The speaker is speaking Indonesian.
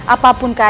anda sebut ini bukan